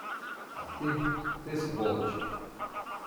А ты… ты – сволочь!